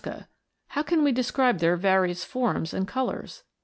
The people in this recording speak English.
f How can we describe their various forms and colours